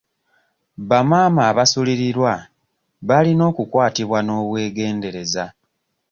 Bamaama abasulirirwa balina okukwatibwa n'obwegendereza.